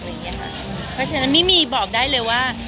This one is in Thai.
เพราะฉะนั้นไม่มีบอกได้เลยว่า